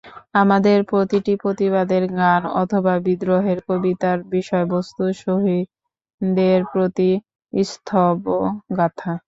আমাদের প্রতিটি প্রতিবাদের গান অথবা বিদ্রোহের কবিতার বিষয়বস্তু শহীদের প্রতি স্তবগাথা।